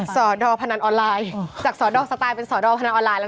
สอดอสสไตล์พนันออนไลน์จากสอดอสไตล์เป็นสอดอวออนไลน์นะ